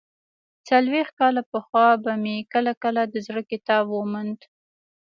څلوېښت کاله پخوا به مې کله کله د زړه کتاب وموند.